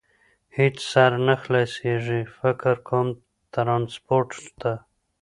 هېڅ سر نه خلاصېږي، فکر کوم، ترانسپورټ ته.